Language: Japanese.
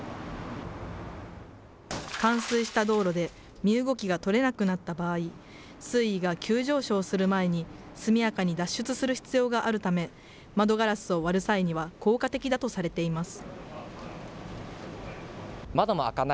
冠水した道路で身動きが取れなくなった場合、水位が急上昇する前に、速やかに脱出する必要があるため、窓ガラスを割る際には効果的だとされています。